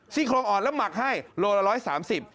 โครงอ่อนแล้วหมักให้โลละ๑๓๐บาท